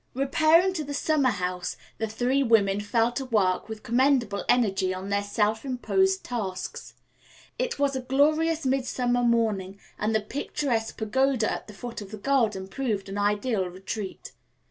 Repairing to the summer house, the three women fell to work with commendable energy on their self imposed tasks. It was a glorious midsummer morning and the picturesque pagoda at the foot of the garden proved an ideal retreat.